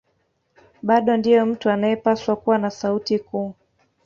Bado ndiye mtu anayepaswa kuwa na sauti kuu